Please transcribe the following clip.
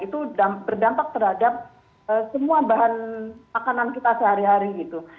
itu berdampak terhadap semua bahan makanan kita sehari hari gitu